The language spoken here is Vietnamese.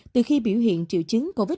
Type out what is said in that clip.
từ khi biểu hiện triệu chứng covid một mươi